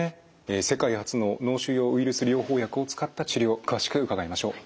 世界初の脳腫瘍ウイルス療法薬を使った治療詳しく伺いましょう。